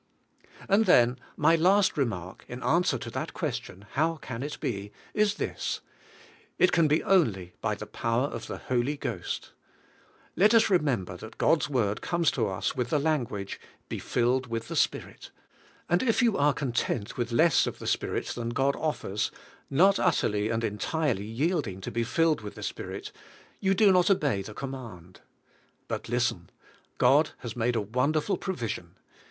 And then, my last remark, in answer to that question, " How can it be?" is this: it can be only by the power of the Holy Ghost. Let us remem ber that God's Word comes to us v^'ith the language, "Be filled with the Spirit;" and if you are content with less of the Spirit than God offers, not utterly and entirely yielding to be filled with the Spirit, you do not obey the command. But listen: God has made a wonderful provision.